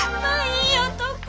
いい男！